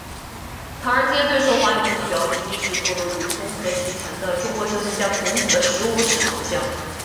唐人街最受欢迎的地标之一是坐落于综合体前的中国哲学家孔子的十五尺铜像。